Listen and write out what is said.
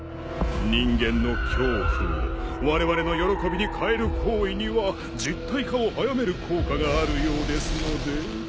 人間の恐怖をわれわれの喜びに変える行為には実体化を早める効果があるようですので。